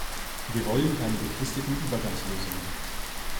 Wir wollen keine befristeten Übergangslösungen.